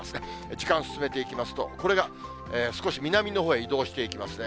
時間進めていきますと、これが少し南のほうへ移動していきますね。